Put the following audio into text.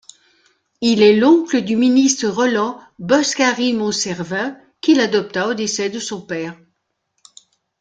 Il est l'oncle du ministre Roland Boscary-Monsservin qu'il adopta au décès de son père.